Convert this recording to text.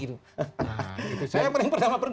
saya paling pertama pergi